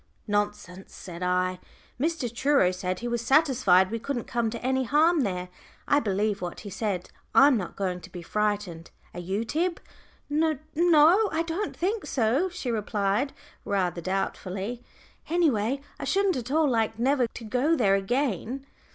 "Nonsense," said I. "Mr. Truro said he was satisfied we couldn't come to any harm there: I believe what he said. I'm not going to be frightened are you Tib?" "N no. I don't think so," she replied, rather doubtfully. "Any way, I shouldn't at all like never to go there again."